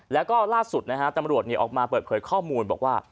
แล้วก็ล่าสุดนะฮะตำรวจออกมาเปิดเผยข้อมูลบอกว่า